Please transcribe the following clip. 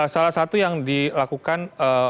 salah satu yang dilakukan